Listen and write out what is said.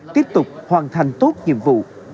tiếp tục hoàn thành tốt nhiệm vụ